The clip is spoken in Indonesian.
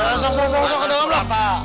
ya sok sok sok ke dalam lah